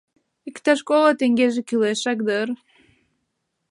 — Иктаж коло теҥгеже кӱлешак дыр.